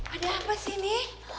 ada apa sih ini